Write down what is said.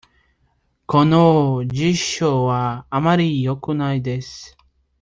この辞書はあまりよくないです。